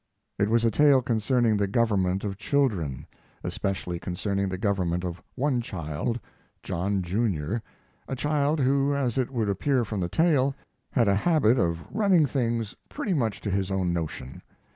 It was a tale concerning the government of children; especially concerning the government of one child John Junior a child who, as it would appear from the tale, had a habit of running things pretty much to his own notion.